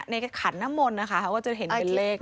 ขันน้ำมนต์นะคะเขาก็จะเห็นเป็นเลข